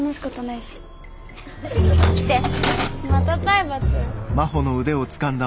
また体罰？